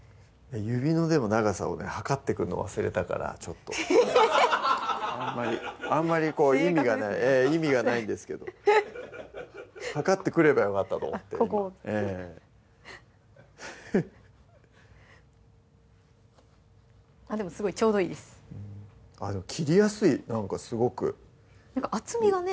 指の長さを測ってくるの忘れたからちょっとあんまりこう意味がない意味がないんですけど測ってくればよかったと思ってすごいちょうどいいです切りやすいなんかすごくなんか厚みがね